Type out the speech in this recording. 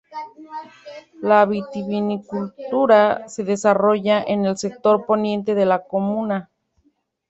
La vitivinicultura se desarrolla en el sector poniente de la comuna.